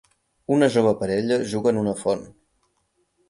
Una jove parella juga en una font.